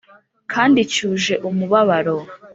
kandi cyuje umubabaro,